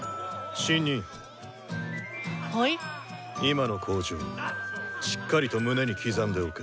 今の口上しっかりと胸に刻んでおけ。